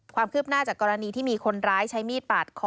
ความคืบหน้าจากกรณีที่มีคนร้ายใช้มีดปาดคอ